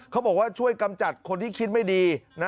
บอกว่าช่วยกำจัดคนที่คิดไม่ดี